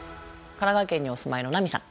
神奈川県にお住まいのなみさん